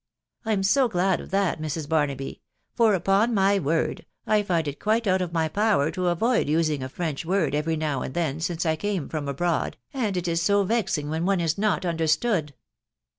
" I'm so glad of that, Mrs. Barnaby, .... for, upon my word, I find it quite out of my power to avoid using a French word every now and then sincel came from abroad, and it is so vexing when one k not understood.